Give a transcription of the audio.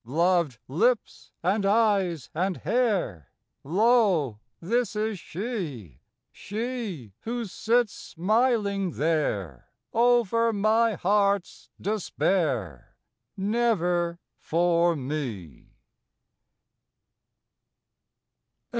Loved lips and eyes and hair, Lo, this is she! She, who sits smiling there Over my heart's despair, Never for me!